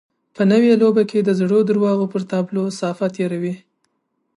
په نوې لوبه کې د زړو درواغو پر تابلو صافه تېروي.